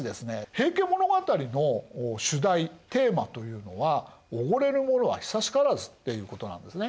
「平家物語」の主題テーマというのは「おごれる者は久しからず」っていうことなんですね。